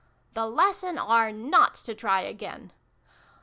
" The Lesson are ' not to try again